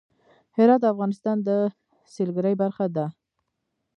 هرات د افغانستان د سیلګرۍ برخه ده.